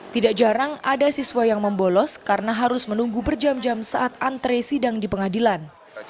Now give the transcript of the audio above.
tidak jarang ada siswa yang membolos karena harus menunggu berjam jam saat antre sidang di pengadilan